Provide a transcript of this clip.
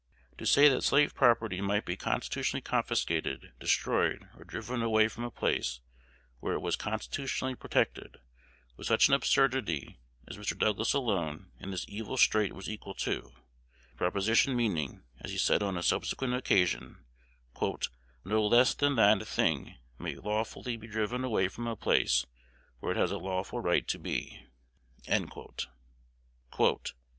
To say that slave property might be constitutionally confiscated, destroyed, or driven away from a place where it was constitutionally protected, was such an absurdity as Mr. Douglas alone in this evil strait was equal to; the proposition meaning, as he said on a subsequent occasion, "no less than that a thing may lawfully be driven away from a place where it has a lawful right to be."